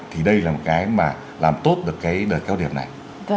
thì đây là một cái mà làm tốt được cái đợt cao điểm này